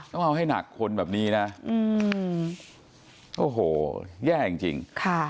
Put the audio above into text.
ต้องเอาให้หนักคนแบบนี้นะโอ้โหแย่จริง